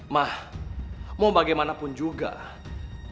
ma mau bagaimanapun juga bella yang dihukum